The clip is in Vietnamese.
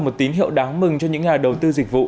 một tín hiệu đáng mừng cho những nhà đầu tư dịch vụ